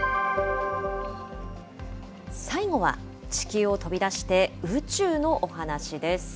最後は、地球を飛び出して、宇宙のお話です。